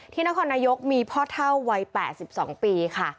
นครนายกมีพ่อเท่าวัย๘๒ปีค่ะ